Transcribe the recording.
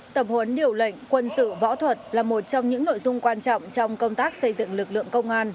tập huấn điều lệnh quân sự võ thuật là một trong những nội dung quan trọng trong công tác xây dựng lực lượng công an